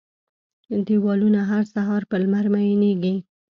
دیوالونه، هر سهار په لمر میینیږې